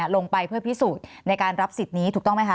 ลงไปเพื่อพิสูจน์ในการรับสิทธิ์นี้ถูกต้องไหมคะ